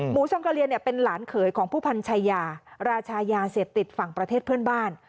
ซองกะเลียเป็นหลานเขยของผู้พันชายาราชายาเสพติดฝั่งประเทศเพื่อนบ้าน